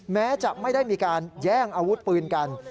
แม้จะไม่ได้มีการแย่งอาวุธปืนกัน